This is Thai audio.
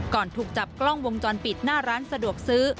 ถูกจับกล้องวงจรปิดหน้าร้านสะดวกซื้อ